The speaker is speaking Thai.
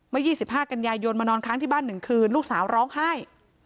๒๕กันยายนมานอนค้างที่บ้าน๑คืนลูกสาวร้องไห้